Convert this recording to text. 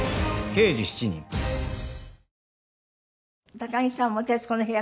高木さんも「徹子の部屋」